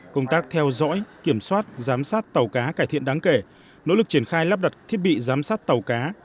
công tác theo dõi kiểm soát giám sát tàu cá cải thiện đáng kể nỗ lực triển khai lắp đặt thiết bị giám sát tàu cá